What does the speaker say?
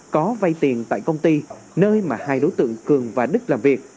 có vay tiền tại công ty nơi mà hai đối tượng cường và đức làm việc